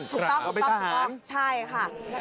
ถูกต้องถูกต้องถูกต้องใช่ค่ะขนาดไปทหาร